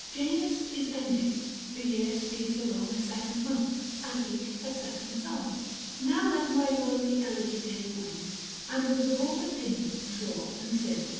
Janus is ended ; the year speeds along A second month, and eke a second song. Now let ray lowly elegy take wing, And with a broader pinion soar and sing.